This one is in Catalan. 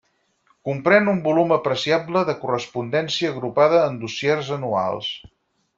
Comprèn un volum apreciable de correspondència agrupada en dossiers anuals.